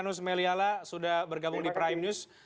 bagus sekali ini kita sudah bergabung di prime news